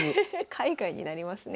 海外になりますね。